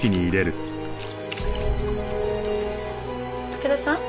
武田さん？